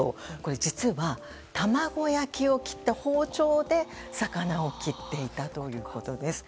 実は卵焼きを切った包丁で魚を切っていたということです。